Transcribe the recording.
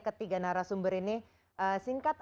ke tiga narasumber ini singkat